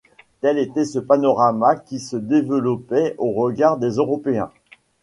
Tel était ce panorama qui se développait aux regards des Européens.